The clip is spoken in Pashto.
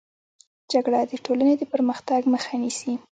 جګړه د ټولني د پرمختګ مخه نيسي.